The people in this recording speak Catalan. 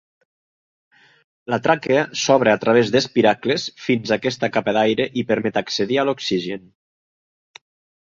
La tràquea s'obre a través d'espiracles fins a aquesta capa d'aire i permet accedir a l'oxigen.